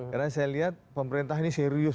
karena saya lihat pemerintah ini serius